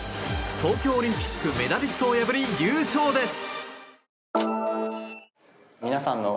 東京オリンピックメダリストを破り優勝です！